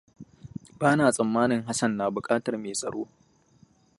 Bana tsammanin Hassan na bukatar me tsaro.